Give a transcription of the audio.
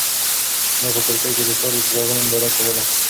ما په کړکۍ کې د ښار د څراغونو ننداره کوله.